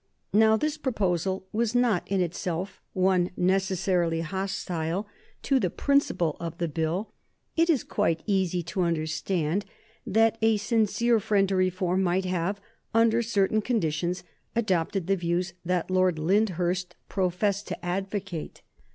Now this proposal was not in itself one necessarily hostile to the principle of the Bill. It is quite easy to understand that a sincere friend to reform might have, under certain conditions, adopted the views that Lord Lyndhurst professed to advocate.